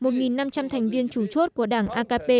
một năm trăm linh thành viên chủ chốt của đảng akp